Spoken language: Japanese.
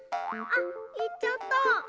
あっいっちゃった。